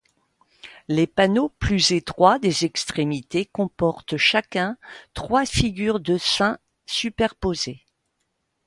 Les panneaux plus étroits des extrémités comportent chacun trois figures des saints superposés.